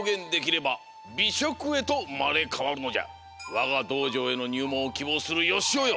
わがどうじょうへのにゅうもんをきぼうするよしおよ。